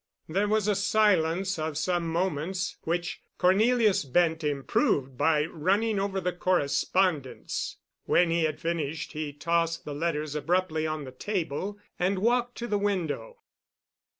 There was a silence of some moments, which Cornelius Bent improved by running over the correspondence. When he had finished he tossed the letters abruptly on the table, and walked to the window.